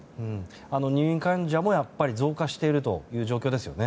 入院患者も増加しているという状況ですよね。